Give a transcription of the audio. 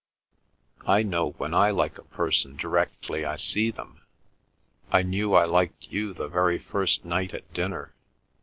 "I know when I like a person directly I see them! I knew I liked you the very first night at dinner.